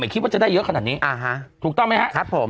ไม่คิดว่าจะได้เยอะขนาดนี้อ่าฮะถูกต้องไหมฮะครับผม